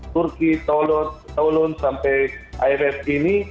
turki taulun sampai iff ini